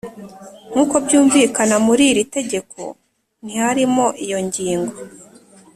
nkuko byumvikana muri iri tegeko ntiharimo iyo ngingo